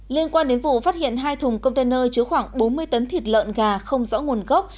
liên quan đến vụ phát hiện hai thùng container chứa khoảng bốn mươi tấn thịt lợn gà không rõ nguồn gốc